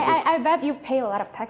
saya yakin anda membayar banyak tax